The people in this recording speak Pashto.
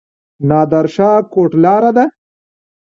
نادر شاه کوټ لاره ده؟